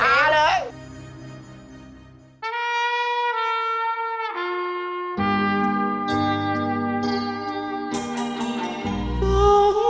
ทำไมกล้อเล่นที่โนฮะ